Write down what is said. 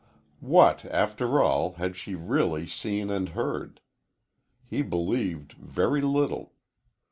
What, after all, had she really seen and heard? He believed, very little.